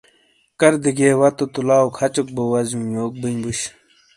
کردے گئے واتوں تو لاؤ کھچوک بو وزیوں یوک بئیں بوش۔